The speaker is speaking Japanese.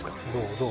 どう？